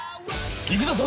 行くぞ透！